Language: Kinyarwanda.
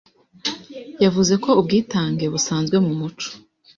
yavuze ko ubwitange busanzwe mu muco